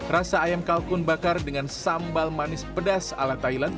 rasa ayam kalkun bakar dengan sambal manis pedas ala thailand